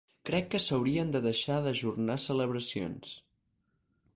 Crec que s’haurien de deixar d’ajornar celebracions.